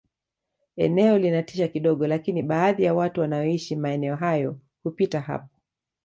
eneo linatisha kidogo lakini baadhi ya watu wanaoishi maeneo hayo hupita hapo